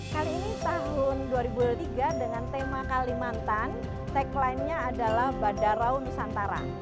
kali ini tahun dua ribu dua puluh tiga dengan tema kalimantan tagline nya adalah badarau nusantara